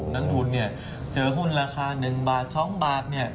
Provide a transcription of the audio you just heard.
น้ำดุลเนี่ยเจอหุ้นราคา๑บาท๒บาทเนี่ย